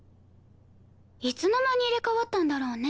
いつの間に入れ替わったんだろうね。